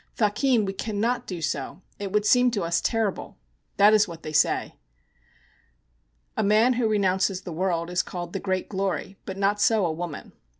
'Thakin, we cannot do so. It would seem to us terrible,' that is what they say. A man who renounces the world is called 'the great glory,' but not so a woman.